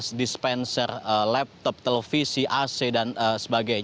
jadi sekarang kita semua kemudian pendatang hingga itu